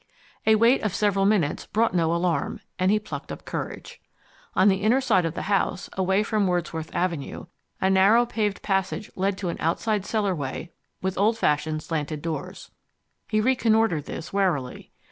A wait of several minutes brought no alarm, and he plucked up courage. On the inner side of the house away from Wordsworth Avenue a narrow paved passage led to an outside cellar way with old fashioned slanting doors. He reconnoitred this warily.